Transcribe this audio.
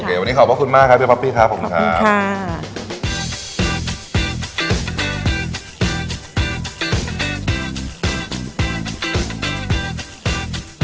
แต่วันนี้ขอบคุณมากครับพี่ป๊อปปี้ค่ะขอบคุณค่ะขอบคุณค่ะขอบคุณค่ะ